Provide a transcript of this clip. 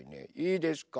いいですか？